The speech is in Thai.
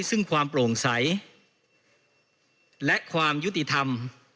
ซึ่งความโปร่งใสและความยุติธรรม